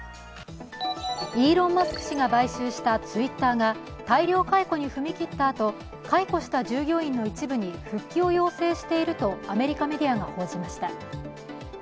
イーロン・マスク氏が買収したツイッターが大量解雇に踏み切ったあと、解雇した従業員の一部に復帰を要請しているとアメリカメディアが報じました。